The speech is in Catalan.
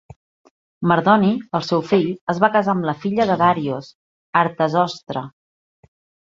Mardoni, el seu fill, es va casar amb la filla de Darios, Artazostre.